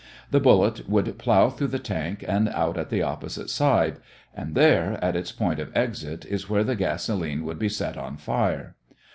The bullet would plow through the tank and out at the opposite side and there, at its point of exit, is where the gasolene would be set on fire.